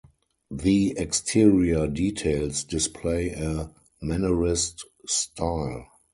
The exterior details display a Mannerist-style.